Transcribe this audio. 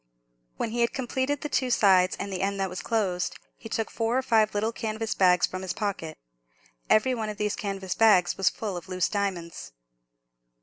When he had completed the two sides and the end that was closed, he took four or five little canvas bags from his pocket. Every one of these canvas bags was full of loose diamonds.